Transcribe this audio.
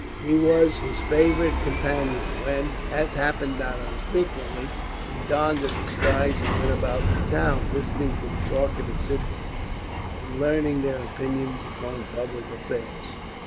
He was his favourite companion when, as happened not unfrequently, he donned a disguise and went about the town, listening to the talk of the citizens and learning their opinions upon public affairs.